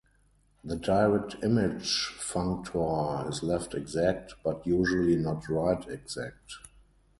The direct image functor is left exact, but usually not right exact.